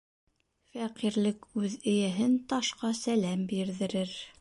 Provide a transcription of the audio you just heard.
Фәҡирлек үҙ эйәһен ташҡа сәләм бирҙерер.